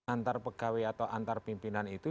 antar pegawai atau antar pimpinan itu